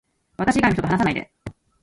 私以外の人と話さないで